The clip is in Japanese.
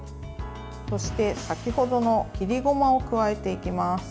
そして、先程の切りごまを加えていきます。